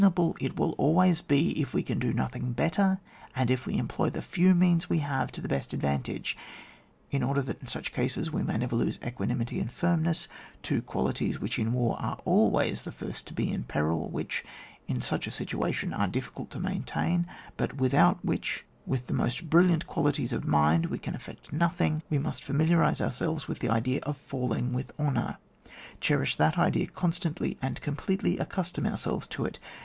able it will always be if we can do no thing better, and if we employ the few means we have to the best advantage. In order that in such cases we may nerer lose equanimity and firmness, two qualities which in war are always the first to be in peril, which, in such a situa tion, are difficult to maintain, but with out which, with the most brilliant quali ties of the mind, we can effect nothing, we must familarise ourselves with tbe idea of falling with honour ; cherish that idea constantly and completely accustom ourselves to it.